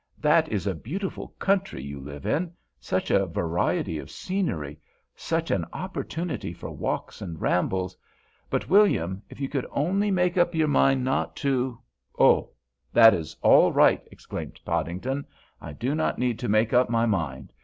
That is a beautiful country you live in. Such a variety of scenery, such an opportunity for walks and rambles! But, William, if you could only make up your mind not to——" "Oh, that is all right!" exclaimed Podington. "I do not need to make up my mind.